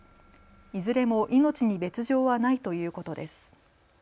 いずれも命に別状はないということです。